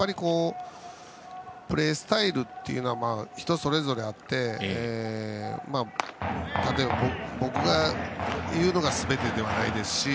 プレースタイルというのは人それぞれあって僕が言うのがすべてではないですし。